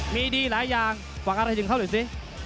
มีดีหลายอย่างฝากอะไรถึงเขาหน่อยสิ